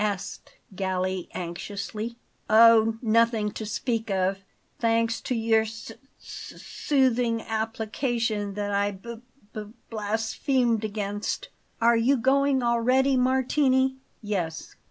asked Galli anxiously. "Oh, nothing to speak of, thanks to your s s soothing application that I b b blasphemed against. Are you going already, Martini?" "Yes.